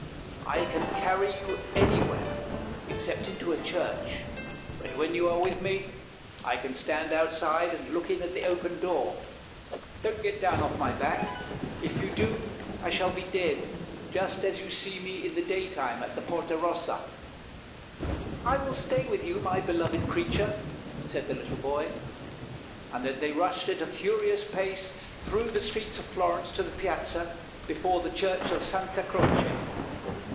I can carry you anywhere except into a church, but when you are with me I can stand outside, and look in at the open door! Don't get down off my back, if you do that I shall be dead, just as you see me in the daytime in the Porta Rossa! "" I will stay with you, my beloved creature," said the little boy, and then they rushed at a furious pace through the streets of Florence to the Piazza before the church of Santa Croce.